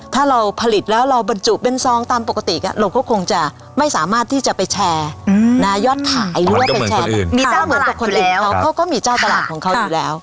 ถ้าจุเป็นซองตามปกติเราก็คงจะไม่สามารถที่จะไปแชร์นะยอดขายหรือว่าไปแชร์มีเจ้าประหลาดอยู่แล้วเขาก็มีเจ้าประหลาดของเขาอยู่แล้ว